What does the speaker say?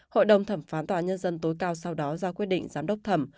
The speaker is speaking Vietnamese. hội đồng thẩm phán tòa nhân dân tối cao sau đó ra quyết định giám đốc thẩm